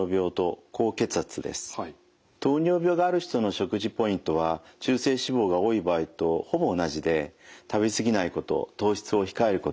糖尿病がある人の食事ポイントは中性脂肪が多い場合とほぼ同じで食べ過ぎないこと糖質を控えることです。